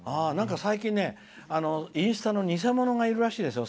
最近ね、インスタの偽者がいるらしいですよ。